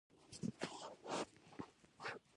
آیا ګاز په ژمي کې پیدا کیږي؟